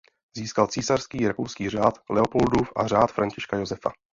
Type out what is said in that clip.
Získal Císařský rakouský řád Leopoldův a Řád Františka Josefa.